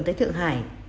tới thượng hải